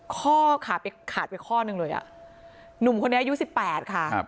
ข้อขาดไปข้อหนึ่งเลยอะหนุ่มคนนี้อายุ๑๘ค่ะ